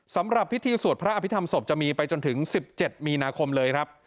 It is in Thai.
สำหรับพิธีสวดพระอภิษฐรรศพจะมีไปจนถึง๑๗มีนาคมเลยครับ